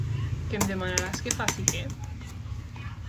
Que em demanaràs que faci què?